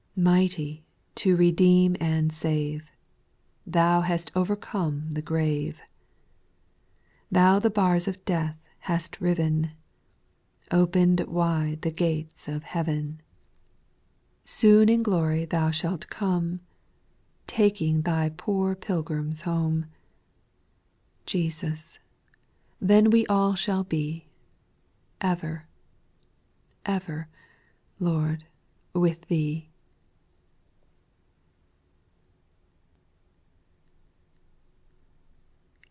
4. Mighty to redeem and save. Thou hast overcome the grave ; Thou the bars of death hast riven. Opened wide the gates oi \iftw«tL\ 5' 80 SPIRITUAL SONOa, Soon in glory Thou slialt come Taking Thy poor pilgrims home ; Jesus, then we all shall be, Ever — ever — Lord, with Thee.